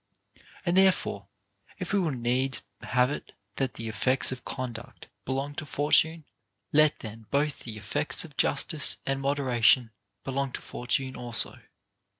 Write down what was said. And therefore if we will needs have it that the effects of conduct belong to Fortune, let then both the effects of justice and moderation belong to For tune also.